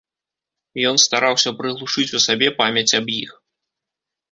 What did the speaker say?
Ён стараўся прыглушыць у сабе памяць аб іх.